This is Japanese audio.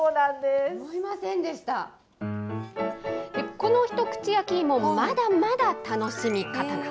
この一口焼き芋、まだまだ楽しみ方が。